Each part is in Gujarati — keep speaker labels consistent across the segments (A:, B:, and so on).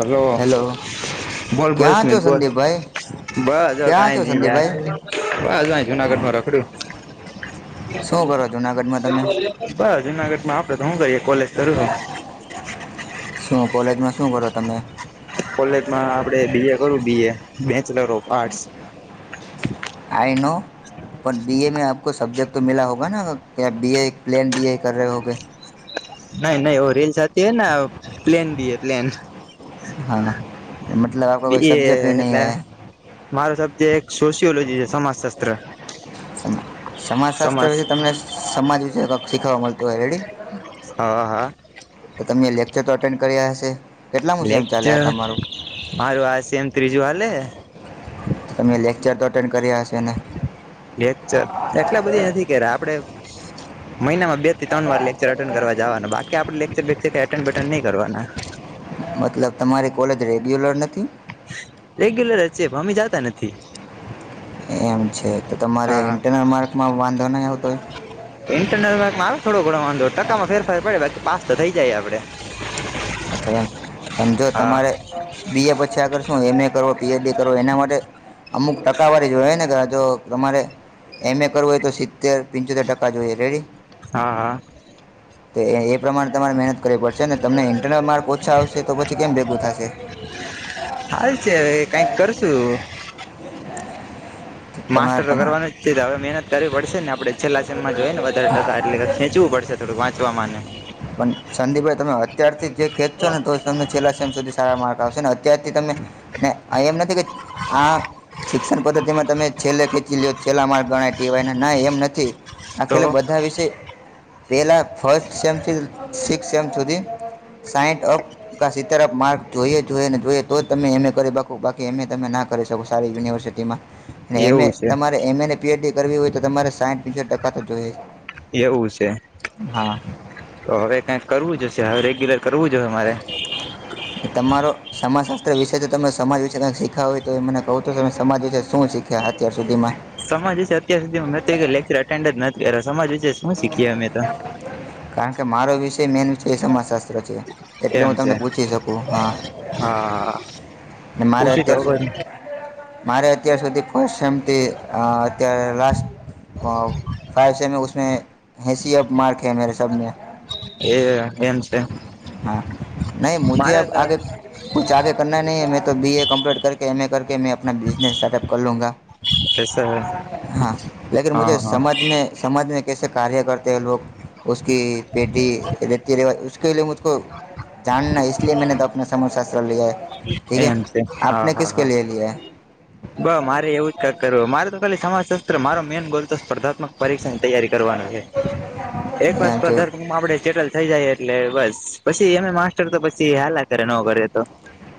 A: હલો
B: હેલો
A: બોલ બોલ
B: ક્યાં છો
A: સ્મિત બોલ.
B: સંદીપભાઈ
A: બસ
B: ક્યાં
A: કઈ
B: છો
A: નઈ યાર
B: સંદીપભાઈ
A: બસ જુનાગઢમાં રખડું.
B: શું કરો જુનાગઢમાં તમે
A: બસ જુનાગઢમાં આપડે તો હું કઈએ કોલેજ કરું છું.
B: શું કોલેજમાં શું કરો તમે.
A: કોલેજમાં આપડે બી એ કરું B A bachelor of arts.
B: I know. પણ બીએ મે આપ સબ્જેક્ટ તો મીલા હોગા કે બીએ પ્લેન બીએ કર રહે હોગે.
A: નહી નહી ઓ રીલ આતી હ ને પ્લેન બીએ પ્લેન.
B: હા.
A: બી એ એટલે મારો સબ્જેક્ટ સોશિયોલોજી છે સમાજ શાસ્ત્ર.
B: સમાજ શાસ્ત્ર વિશે તમને સમાજ વિશે શીખવા મળતું હોય રેડી.
A: હા હા
B: તો તમે લેક્ચર તો અટેન્ડ કર્યા હશે. કેટલામું સેમ ચાલે આ
A: લેકચર
B: તમારું
A: મારું આ છે એમ ત્રીજું હાલે
B: તમે લેકચર તો અટેન્ડ કર્યા જ
A: લેક્ચર એટલા બધી નથી કે આપડે મહિનામાં બે ત્રણ વાર લેચરટે કરવા જવાનું બાકી આપણે લેકચર નહી કરવાના.
B: મતલબ તમારી કોલેજ રેગ્યુલર નથી.
A: રેગ્યુલર છે પણ અમે જતા નથી.
B: એમ છે તો તમારે
A: હા,
B: ઇન્ટરનલ માર્કમાં વાંધો નહી આવતો હોય.
A: ઇન્ટરનલ માર્કમાં આવે થોડો ઘણો વાંધો ટકામાં ફેરફાર પડે બાકી પાસ તો થઈ જાય આપડે.
B: અચ્છા એ પણ જો
A: હા
B: તમારે બી એ પછી આ કરશો. શું એમ એ કરો બી એથી કરો એના માટે અમુક ટકાવારી જોહે ને કે જો તમારે એમ એ કરવું હોય તો સી તેર પિન્ચોતેર ટકા જોઈએ રેડી.
A: હા હા
B: તો એ એ પ્રમાણે તમારે મહેનત કરવી પડશે ને તમને ઇન્ટરનલ માર્ક ઓછા આવશે તો પછી કેમ ભેગું થશે.
A: હાલ છે હવે કંઈક કરશું. માસ્ટર
B: તમારે
A: તો
B: તમારે
A: કરવાનું જ છે તો હવે મહેનત કરવી પડશે ને આપડે છેલ્લા સેમમાં જોઈએ ને વધારે ટકા એટલે ખેંચવું પ પડશે થોડુંક વાંચવામાં ને.
B: પણ સંદીપભાઈ તમે અત્યારથી જે ખેંચ છો ને તો જ તમને છેલ્લા સેમ સુધી સારા માર્ક આવ શે ને અત્યારથી તમે ને એમ નથી કે આ શિક્ષણ પદ્ધતિમાં તમે છેલ્લે ખેંચી લ્યો છેલ્લા માર્ક ગણાય ટી વાય ના ન એમ નથી
A: તો
B: આખેલ બધા વિશે પેલા ફસ્ટ સેમ થી સિક્સ સેમ સુધી સાઈન્ટ અપ કા સીતેર અપ માર્ક જોઈએ જોઈએ ને જોઈએ તો જ તમે એમ એ કરી બાકો બાકી એમ એ તમે ના કરી શકો સારી યુનિવર્સિટીમાં અને એમ
A: એવું
B: એ
A: છે
B: તમારે એમ એ ને પી એચ ડી કરવી હોય તો તમારે સાઈટ સીતેર ટકા તો જોએ જ.
A: એવું છે તો હવે કાંઈક કરવું જ છે હવે રેગ્યુલર કરવું જોઈએ મારે
B: તમારો સામા સાસ માત્ર વિશે જો તો તમે સમાજ વિશે કંઈક શીયખા હોય તો એ મને કહો તો તમે સમાજ વિશે શું શીખ્યા અત્યાર સુધીમાં.
A: સમાજ વિશે અત્યાર સુધીમાં મેં તો એક લેક્ચર અટેન્ડ જ નથી કર્યો સમાજ વિશે શું શીખીએ અમે તો
B: કારણ કે મારો વિષય મેન વિષય સમાજશાસ્ સ્ત્ર છે એટલે હું
A: એમ
B: તમને
A: છે
B: પૂછી શકું હા.
A: હા
B: મારે
A: પૂછી તો
B: અત્યાર સુધ
A: ખબર
B: મારે અત્યાર સુધી ફસ્ટ સેમ થી અ અત્યારે લાસ્ટ બ ફાઈવ સમે હૈ ઉસમે હેસી અપ માર્ક હૈ મેરે સબમેં.
A: એ એમ છે.
B: હા, નહી મુજે
A: મારે
B: અબ
A: તો
B: આગે કુછ આગે કરના નહીં મે તો બી એ કમપ્લીટ કરકે એમ એ કર કે મેં આપણા બિઝનેસ સ્ટાર્ટઅપ કર લુંંગા. હા, લેકીન
A: હા
B: મુજે
A: હા
B: સમજને સમજને કેસે કાર્ય કરતા હૈ લોક ઉસકી પેઢી રીતિ રિવાજ ઉસકે લિયે કુ કુ જાનના હૈ ઈસ લીએ મેને તો આપના સમાજશાસ્ત્ર લીયા હૈ. ઠીક હૈ
A: એમ છે હા
B: આપને
A: હા
B: કિસ કે
A: હા
B: લિયે લીયા હૈ?
A: બ મારે એવું જ કઈક કરવુ મારે તો ખાલી સમાજશસ્ત્ર મારો મેન ગોલ તો સ્પર્ધાત્મક પરીક્ષાની તૈયારી કરવાનું છે
B: હે
A: એકવાર
B: એમ જોઈ
A: સ્પર્ધામકમાં આપણે સેટલ થઈ જાયએ એટલે બસ પછી એમ એ માસ્ટર તો પછી હલા કરે ન કરે તો.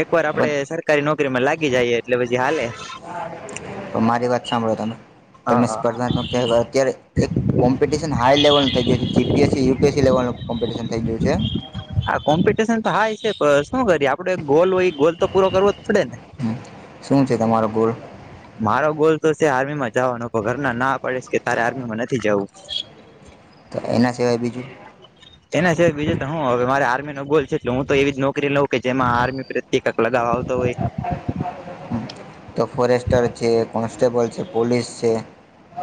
A: એક વાર આપડે
B: પણ
A: સરકારી નોકરીમાં લાગી જાઈએ એટલે પછી હાલે.
B: તો મારી વાત સાંભળો તમે.
A: હા
B: તમે
A: હા
B: સ્પર્ધાત્મક ક્યારે ક અત્યારે એક કોમ્પિટિશન હાઈ લેવલું થઈ ગીયું જી P S C UP S C level પણ કોમ્પિટિશન થઈ ગીયું છે.
A: આ કોમ્પિટિશન તો હાઈ છે પણ શું કરીએ આપડે ગોલ હોય ગોલ તો પૂરો કરવો પડે ને
B: શું છે તમારો ગોલ?
A: મારો ગોલ તો છે આર્મી માં જાવાનો ઘર ના ના પડે કે તારે આર્મી માં નથી જવું.
B: તો એના સિવાય બીજું.
A: એના સિવાય બીજું તો હું હવે મારી આર્મી ગોલ છે એટલે હું તો એવી જ નોકરી લઉું કે જેમાં આર્મી પ્રત્યે કંઈક લગાવવા આવ તો હોય.
B: તો ફોરેસ્ટર છે, કોન્સ્ટેબલ છે, પોલીસ છે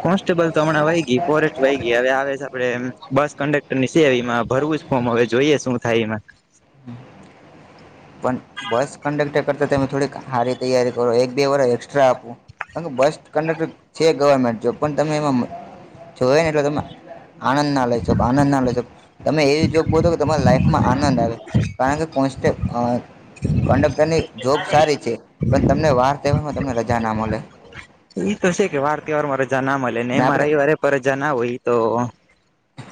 A: કોન્સ્ટેબલ તો હમણાં વય ગઈ ફોરેસ્ટ વય ગઈ હવે આવે છે આપડે એમ બસ કંડક્ટર ની છે એમાં ભરવું જ ફોમ હવે જોઈએ શું થાય એમાં.
B: [inaudible] પણ બસ કંડક્ટર કરતા તમે થોડીક હારી તૈયારી કરો એક-બે વરસ એક્સ્ટ્રા આપો અનુ બસ્ટ કન્ડક્ટર છે ગવર્મેન્ટ જોબ પણ તમે એમાં જોએ ને એટલે તમે આનંદ ના લઈ શોકો આનંદ ના લઈ શો તમે એવી જોગ બોલોો કે તમારા લાઈફમાં આનંદ આવે કારણ કે કોન્ડક્ટર ની જોબ સારી છે પણ તમને વાર તેહેવામાં તમને રજા ના મળલેે
A: એઈ તો છે કે વાર ત વાર મારા જ ના મળે ને
B: અને
A: એ મારે
B: આપણે
A: રવિવારે પર જ ના હોય તો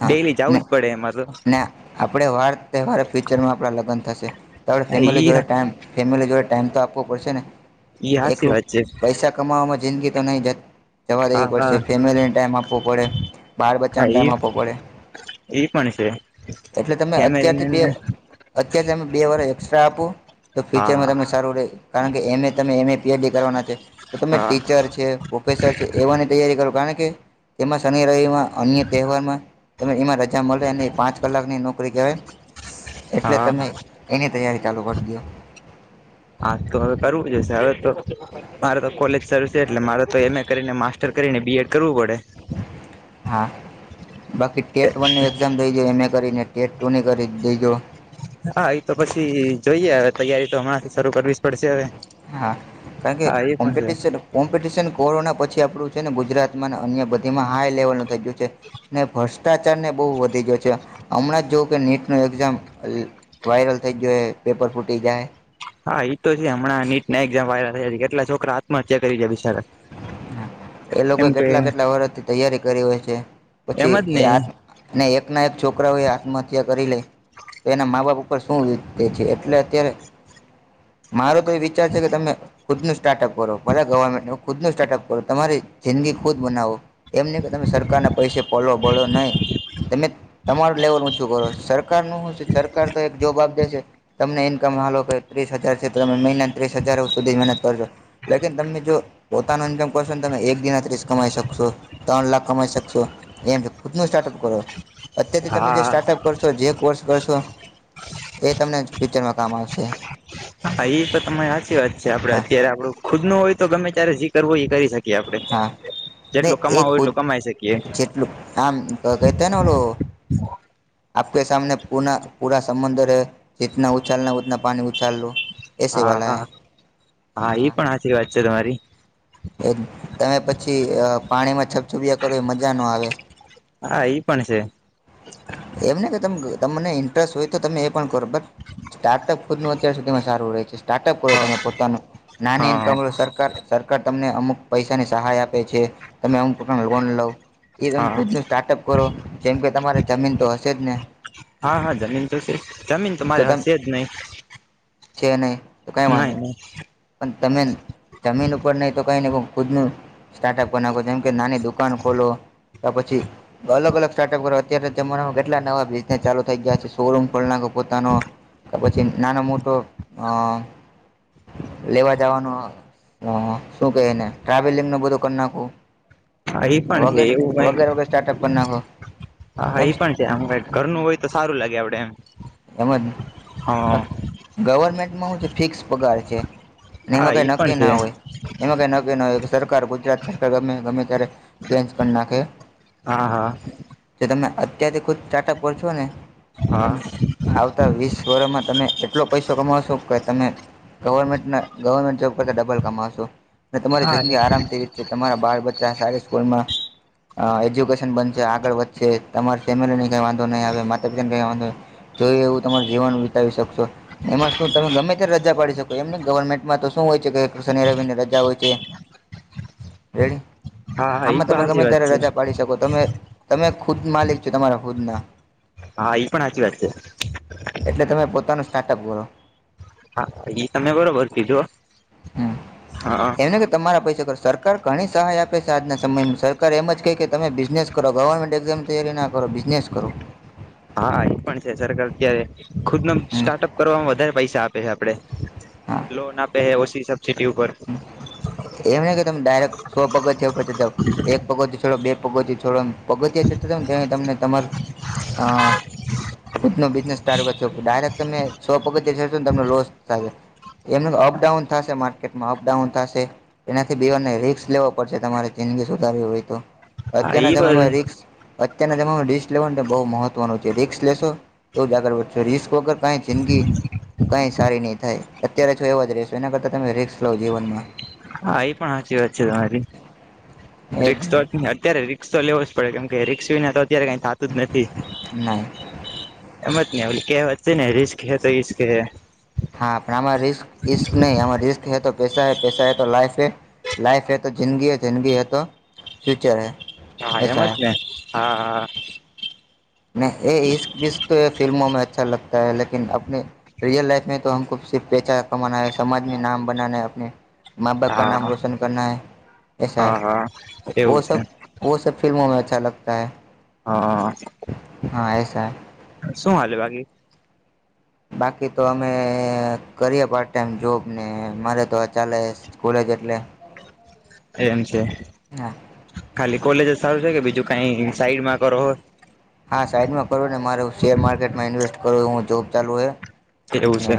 A: ડેલી જવું જ પડે એમાંરે
B: અને આપણે વાર તહેવારે ફ્યુચરમાં આપણા લગ્ન થશે તો આપણે ફેમિલી
A: ઈ
B: જોડે ટાઈમ ફેમિલી જોડે ટાઈમ તો આપવો પડશે ને
A: ઈ હાચી
B: એકલું
A: વાત છે
B: પૈસા કમાવામાં જિંદગી તો નહી જ જવા
A: હા
B: દેવી
A: હા
B: પડશે ફેમિલીને ટાઈમ આપવો પડે બળ બચ્ચાને ટાઈમ આપો પવો પડે
A: શ છે
B: એટલે તમે અત્યારથી બે
A: ફેમિલીને
B: અત્યારે તમે બે વરષ એક્સ્ટ્રા આપો તો ફ્યુચરમાં
A: હા
B: તમને સારું રહે કારણ કે એમ તમે એમ પીએચડી કરવાના છે તો તમે
A: હા
B: ટીચર છે પ્રોફેસર છે એવાની તૈયારી કરો કારણ એમાં શનિ રવમાં અન્ય તહેવારમાં ત એમાં ા મળે અને પાંચ કલાકની નોકરી કહે એટલે
A: હા
B: તમે એની તૈયારી લગત દ
A: હા તો હવે કરવું જ હશે હવે તો મારે તો કોલેજ શરૂ છે એટલે મારે તો એમ એ કરીને મા ર કરીને બીએડ કરવું પડે
B: હા બાકી ટેટ વન ની એક્ઝામ દઈ એમ એ કરીને ટેટ ટુ ની કરી દેજો
A: હા એ તો પછી જોઈએ હવે તૈયારી તો હમણાથી શરૂ કરવી જ પડશે હવે
B: હા કારણ કે
A: હા એ પણ છે
B: કોમ્પિટશન કોમ્પિટિશન કોરોના પછી આપણું છે, ને ગુજરાતમાં અન્ય બધીમાં હાઈ લેવલનું થઈ ગયું છે, ને ફસ અષ્ટાચારને બો વધી ગયો છે, હમણાં જો કે નીટનું એક્ઝામ વાયરલ થઈ ગયો હે પેપર ફૂટી જાય.
A: હા તો છે, હમં નીટ ના એક્ઝામ વાયરલ થયા છે, કેટલા છોકરા આત્મહત્યા કરી ગયા
B: હા. એ લોકો
A: કે
B: કેટલા કેટલા વર્ષથી તૈયારી કરી હોય છે,
A: એમ
B: પછી
A: જ
B: એ
A: ને
B: આ ને એકના એક છોકરા હોય આત્મહત્યા કરી લે તો એના મા-બાપ ઉપર શું વીતે છે, એટલે અત્યારે મારો વિચાર છે, કે તમે ખુદનું સ્ટાર્ટઅપ કરો ભલે ગવર્મેન્ટ ખુદનું સ્ટાર્ટઅપ કરો તમારી જિંદગી ખુદ બનાવો એમ નહીં કે તમે સરકારના પૈસે પલો ભળો નહીં તમે તમારું લેવલ ઉચું કરો સરકારનુ હુ છે, સરકાર તો એક જોબ આપ દેશે તમને ઇન્કમ હાલો કે ત્રીસ હજાર છે, તો તમે મહિના ત્રીસ હજાર સુધી મહેનત કરજો લેકીન તમે જો પોતાનું ઈનકમ પરસન તમે એક દિના ત્રીસ કમાઈ શકશો ત્રણ લાખ કમાઈ શકશો એમ ખુદનું સ્ટાર્ટ કરો અત્યારથી તમે જે
A: હા
B: સ્ટાર્ટઅપ કરશો જે કોર્સ કરશો એ તમને ફિક્ચરમાં કામ આવશે
A: હા એ તો તમાને હાચી વાત છે, આપડે
B: હા
A: અત્યારે આપડું ખુદનું હોય તો ગમે ત્યારે જી કરવુ એ કરી શક કીયે આપડે.
B: હા ને
A: જેટલું
B: એ
A: કમાવું
B: ખુદ
A: એટલું કમાઈ શકીએ
B: જેટલું આમ કેતા ને ઓલુ આપકે સામને પુન પૂરા સમંદર હૈ જીતના ઉછાલના ઉતના પાણી ઉછાલ લો એસે
A: હા
B: વાલા
A: હા
B: હે
A: હા ઈ પણ હાચી વાત છે, તમારી
B: એ તમે પછી અ પાણીમાં છપછપીયા કરો એ મજા ન આવે
A: હા ઈ પણ છેસ
B: એમને કે તમ તમને ઇન્ટરેસ્ટ હોય તો તમે એ પણ કરો બટ સ્ટાર્ટઅપ ખુદનુ અત્યાર સુધીમાં સારું રહે છે, સ્ટાર્ટઅપ કરો
A: હા
B: તમે પોતાનું નાની
A: હા
B: ઇન્કમલો સરકાર સરકાર તમને અમુક પૈસાની સહાય આપે છે, તમે અમુક પ્રકાર લોન લોવ એ તમે
A: હા
B: ખુદનુ સ્ટાર્ટઅપ કરો જેમ કે તમારે જમીન તો હશે જ ને
A: હા હા જમીન તો છે, જમીન તો મારે હશે જ નય
B: છે ને
A: નાહી નહી.
B: પણ તમે જમીન ઉપર નહી તો ખુદનુ સ્ટ્ટઅપ કરી નાખો જેમ કે નાની દુકાન ખોલો. ત પછી અલગ અલગ સ્ટાર્ટઅપ કરો અત્યારે જમાનામાં કેટલા નવા બિઝનેસ ચાલુ થઈ ગયા છે, શોરૂમ ખોલના પોતાનો પછી નાનો મોટો અ લેવા જવાન અ શું કેય એને ટ્રાવેલિંગ નું બધું કરી નાખું
A: હા એ પણ છે,
B: વગેરે
A: એવું કઈ
B: વગેરે વગેરે સ્ટાર્ટઅપ કરી નાખો
A: હા હા
B: એમ
A: એ પણ છે, આમ ઘરનું હોય તો સારું લાગે આપડે એમ
B: એમજ
A: હા
B: ગવર્મેન્ટમાં હું છે, ફિક્સ પગાર છે. ને
A: હા
B: એમાં કઈ
A: એ પણ
B: નક્કી
A: છે
B: ના હોય એમાં કઈ નક્કી ના હોય. સરકાર ગુજરાત સરકાર ગમે [unintelligible] ગમે ત્યારે ચેન્જ કરી નાખે.
A: હા હા.
B: જો તમે અત્યારેથી ખુદ સ્ટાર્ટઅપ પર છો ને.
A: હા.
B: તમે આવતા વીસ વર્રમાં તમે એટલો પૈસો કમાવશો કે તમે ગવર્મેન્ટ ગવર્મેન્ટ જોબ કરતા ડબલ કમાવશો અને તમારી
A: હા
B: જિંદગી આરામ થ [unintelligible] ર છે તમારા બાળ બચ્ચા સારી સ્કૂલમાં એજ્યુકેશન બનશે આગળ વધશે તમારી ફેમિલી ને કઈ વાંધો નહીં આવે માતા પિતાને કઈ વાંધો જોઈ એવું તમાર જીવન વિતાવી શકશો એમાં શું તમે ગમે ત્યા રજા પાડી શકો એમ ને ગવર્મેન્ટમાં તો શું હોય છે કે શનિ રવિની રા [unintelligible] હોય છે રેડી.
A: હા હા એ
B: આમાં
A: પણ
B: તમે ગમે
A: સાચી વાત
B: ત્યારે
A: છે
B: રજા પાડી શકો તમે. તમે ખુદ માલિક છો તમારા ખુદના.
A: હા એ પણ સાચી વાત છે.
B: એટલે તમે પોતાનું સ્ટાર્ટઅપ કરો.
A: હા ઈ તમે બરોબર કીધો.
B: હ એમને કે તમારા પૈસા કર સરકાર ઘણી સહાય આપે છે આજના સમયમાં સરકાર એમ જ કહે કે તમે બિઝનેસ કરો ગવર્મેન્ટ એકઝમ [unintelligible] તૈયારી ના કરો. આપ બિઝનેસ કરો.
A: હા એ પણ છે સરકાર અત્યારે ખુદ ન
B: હમ
A: સ્ટાર્ટઅપ કરવામાં વધારે પૈસા આપે છે આપડે
B: હા
A: લોન આપે છે ઓછી ચિટી [unintelligible] ઉપર
B: એમને કે ડાયરેક્ટ સો પગો છે પછી એક પગો ડો બે પગોથી છોડો પગથીયા [unintelligible] જને ત તમને તમાર અ [unintelligible] બિઝનેસ સ્ટાર કરો ડાયરેક્ટ તમે સો પગતશો ને તમ લોસ થ [unintelligible] એમને તો અપડાઉન થશે મારે. માકેટમાં અપડાઉન થશે એનાથી બિવારને રી્સ લેવો પડશે તમારે જિંદગી સુધારવી હોય તો
A: હા
B: અત્યારના જયમાં
A: એ
B: [unintelligible] રિક્સ અત્યના તમામે [unintelligible] રિસ્ક લેવાનુંને બહુ મહત્ત્વનું છે રિસ્ક લેશો બહુ જ આગળ વધશો રિસ્ક વગર કાંઈ જિંદગી કઈ સારી નહી થાય અત્યારે છ [unintelligible] એવા જ રસો એના કરતા તમે રીસ લાવ [unintelligible] જીવનમાં.
A: હા એ પણ સાચી વાત છે તમારી
B: એ જ
A: રિકસ તો અત્યારે ર [unintelligible] ર્ [unintelligible] તો લેવો જ પડે કેમ કે રીસ વિના તો અત્યારે કઈ થતું જ નથી
B: નહીં
A: એમાં. નેવ કે વ ને રસ તો ઈ કે [unintelligible]
B: હા પણ આ રિસ્ રિસ્ક નહી રિસ્ક [unintelligible] હૈ તો પૈસા હૈ પૈસા હૈ તો લાઈફ હૈ લાઈફ હૈ તો જિંદગી હૈ જિંદગી હૈ તો ફ્યુચર હ [unintelligible]
A: હયામત હા હા.
B: ને એ [unintelligible] બ એ ફિલ્મોમાં અચ્છા લગતાે [unintelligible] લકન આપણે રયલ [unintelligible] લાાઈફમાં તો હમ સિફ [unintelligible] પૈચા કમા સમમાજમાં નામ બનાના આપણે માા બાપ ક [unintelligible] નામ
A: હા
B: રોશન કરના હૈ. એસા
A: હા હા
B: વ
A: એવું છે
B: સબ વ [unintelligible] સબ ફિલ્મોમાં અચ્છા લગતા હૈ.
A: હા.
B: હા એસા.
A: શું હાલે બાકી?
B: બાકી તો અમે કરીએ પાર્ટ ટાઈમ જોબ ને મારે તો ચાલે એટલે
A: એમ કે
B: હા
A: ખાલી કોલેજ જ સારું છે કે બીજું કઈ સાઈડમાં કરો છો.
B: હા સાઈડમાં કરો ને મારુ શેર માર્કેટમાં ઇન્વેસ કરુ હું જોબ ચાલુ છે.
A: એવું છે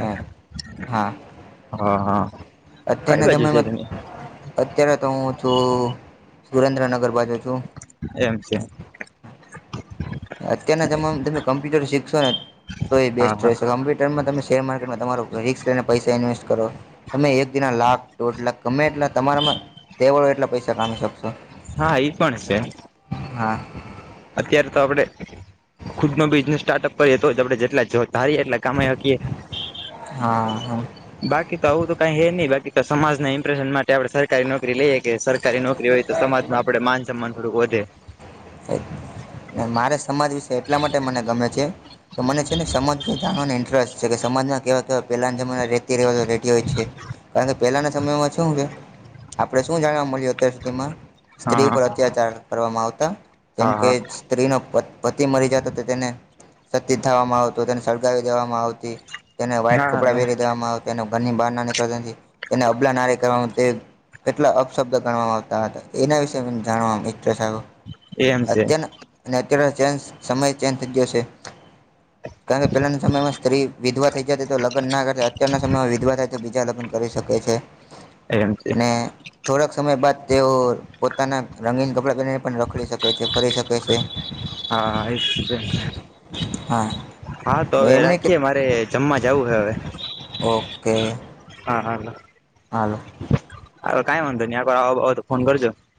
A: હા હા. કઈ
B: અત્યારના
A: બાજુ છે
B: જમાનામાં
A: તમે
B: અત્યારે તો હું છું સુરેન્દ્રનગર બાજુ છું.
A: એમ છે.
B: અત્યારના જમાનામાં તમે કોમ્પ્યુટર શીખશો ને તો એ
A: હા
B: બેસ્ટ
A: હા
B: રહેશે કોમ્પ્યુટરમાં તમે શેર માર્કેટમાં તમારો રીસ્ક લઈને પૈસા ઇન્વેસ્ટ કરો તમે એક દિનના લાખ દૉઢ લાખ ગમે એટલા તમારા તેવળ હોય એટલા પૈસા પામી શકશો
A: હા ઈ પણ છે.
B: હા
A: અત્યારે તો આપણે ખુદ નો બિઝનેસ સ્ટાર્ટઅપ કરીએ તો જ આપણે જેટલા જ જો ધારી એટલા કમાઈ હકીએ
B: હા
A: બાકી તો આવું તો કઈ હે નહી બાકી તો સમાજના ઇમ્પ્રેશન માટે આપણે સરકારી નોકરી લઈએ કે સરકારી નોકરી હોય તો સમાજમાં આપણુ માન સન્માન થોડુંક વધે
B: મારે સમાજ વિશે એટલા માટે મને ગમે છે. તો મને છે ને સમાજ જાણવાને ઇન્ટરેસ્ટ છે, કે સમાજમાં કેવા કેવા પહેલાના જમાના રીતિ રીવાજો રેડી હોય છે. કારણ કે પહેલાના સમયમાં શું છે, આપણે શું જાણવા મળ્યું અત્યાર સુધીમાં સ્ત્રી
A: હા
B: પર અત્યાચાર કરવામાં આવતા જેમ
A: હા
B: કે
A: હા
B: સ્ત્રીનો પતિ મરી જતા તો તેને સતી થવામાં આવતો તેને સળગાવી દેવામાં આવતી તેને વ્હાઈટ
A: હા
B: કપડાં
A: હા
B: પહેરી દેવામાં આવે તેને ઘરની બહાર ના નીકળતી નથી તેને અબલા નારી કરવાનું તે કેટલા અપશબ્દ ગણવામાં આવતા હતા એના વિશે મને જાણવા ઇન્ટરેસ્ટ આવ્યો
A: એમ છે
B: અત્યંત નેચરલ ચેન્જ સમય ચેન્જ થઈ ગયો છે. કારણ કે પેલાના સમયમાં સ્ત્રી વિધવા થઈ જતી તો લગન ના કરતા અત્યારના સમયમાં વિધવા થાય તો બીજા લગ્ન કરી શકે છે,
A: એમ છે
B: ને થોડાક સમય બાદ તેઓ પોતાના રંગીન કપડાં પને પણ રખડી શકે છે, ફરી શકે છે.
A: હા એ જ
B: હા
A: હા તો હવે
B: એમ નહીં કે
A: રાખીએ મારે જમા જવું હે હવે
B: ઓકે.
A: હા
B: હાલો.
A: હવે કાઈ વાંધો નહી આવો તો ફોન કરજો